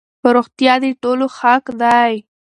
روغتيا د ټولو حق دی.